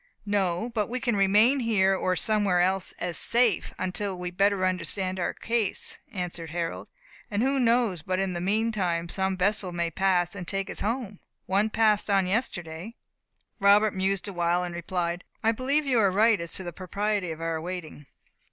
"No; but we can remain here, or somewhere else as safe, until we better understand our case," answered Harold. "And who knows but in the meantime some vessel may pass and take us home. One passed on yesterday." Robert mused awhile, and replied, "I believe you are right as to the propriety of our waiting.